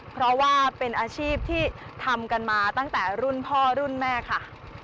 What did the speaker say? เพราะว่าเป็นอาชีพที่ทำกันมาตั้งแต่รุ่นพ่อรุ่นแม่ค่ะ